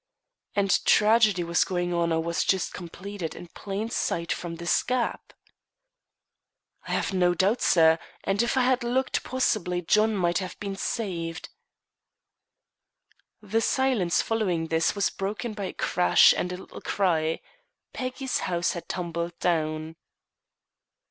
"And tragedy was going on or was just completed, in plain sight from this gap!" "I have no doubt, sir; and if I had looked, possibly John might have been saved." The silence following this was broken by a crash and a little cry. Peggy's house had tumbled down.